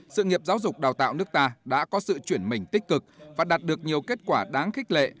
sự nghiệp giáo dục đào tạo nước ta đã có sự chuyển mình tích cực và đạt được nhiều kết quả đáng khích lệ